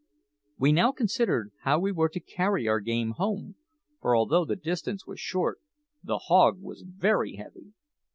We now considered how we were to carry our game home, for, although the distance was short, the hog was very heavy.